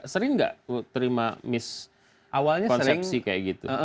sering nggak terima miskonsepsi kayak gitu